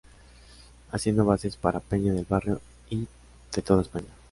Haciendo bases para peña del barrio y de toda España.